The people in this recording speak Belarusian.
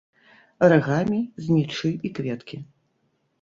Арыгамі, знічы і кветкі.